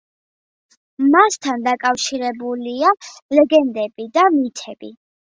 მასთან დაკავშირებულია ლეგენდები და მითები.